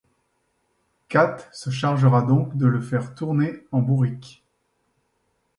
Kat se chargera donc de le faire tourner en bourrique.